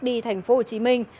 đi thành phố hồ chí minh